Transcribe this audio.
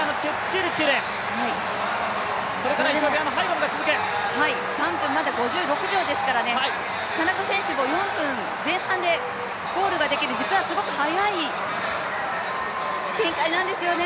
まだ３分５６秒ですから、田中選手も４分前半でゴールができる、実はすごく速い展開なんですよね。